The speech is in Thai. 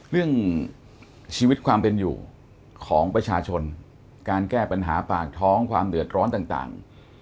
เรื่องชีวิตความเป็นอยู่ของประชาชนการแก้ปัญหาปากท้องความเดือดร้อนต่าง